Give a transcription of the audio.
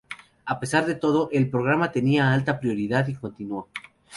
A pesar de todo, el programa tenía alta prioridad y continuó.